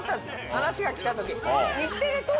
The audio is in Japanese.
話がきた時。